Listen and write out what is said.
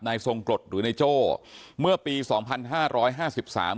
ทรงกรดหรือนายโจ้เมื่อปีสองพันห้าร้อยห้าสิบสาม